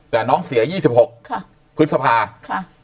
แต่น้องเสีย๒๖ค่ะพฤษภาค่ะ